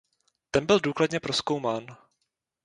Ten byl důkladně prozkoumán.